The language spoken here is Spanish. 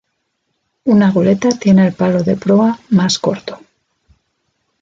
Una goleta tiene el palo de proa más corto.